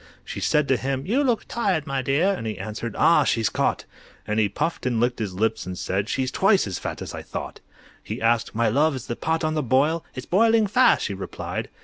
She said to him, "You look tired, my dear," And he answered, "Ah, she's caught!" And he puffed and licked his lips and said "She's twice as fat as I thought!" He asked, "My love, is the pot on the boil?" "It's boiling fast," she replied.